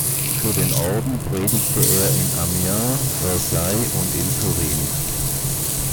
Für den Orden predigte er in Amiens, Versailles und in Turin.